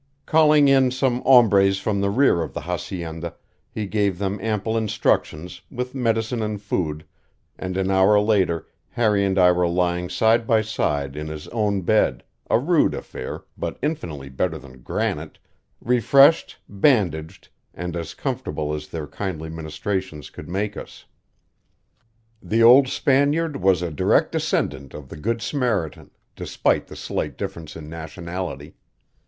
Calling in some hombres from the rear of the hacienda, he gave them ample instructions, with medicine and food, and an hour later Harry and I were lying side by side in his own bed a rude affair, but infinitely better than granite refreshed, bandaged, and as comfortable as their kindly ministrations could make us. The old Spaniard was a direct descendant of the good Samaritan despite the slight difference in nationality.